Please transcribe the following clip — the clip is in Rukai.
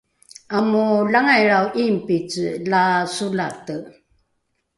amolangailrao ’ingpice la solate